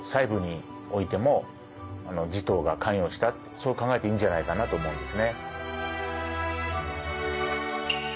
そう考えていいんじゃないかなと思うんですね。